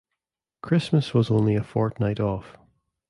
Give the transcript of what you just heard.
Christmas was only a fortnight off.